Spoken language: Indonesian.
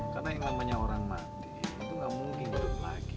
karena yang namanya orang mati itu gak mungkin hidup lagi